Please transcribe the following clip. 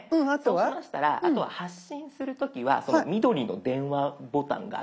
そうしましたらあとは発信する時は緑の電話ボタンがあるじゃないですか。